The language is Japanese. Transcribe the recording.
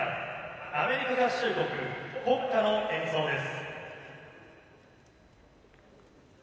アメリカ合衆国国歌の演奏です。